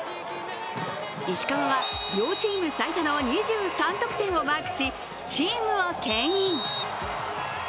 石川は両チーム最多の２３得点をマークし、チームをけん引。